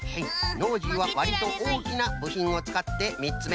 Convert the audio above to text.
ノージーはわりとおおきなぶひんをつかってみっつめ。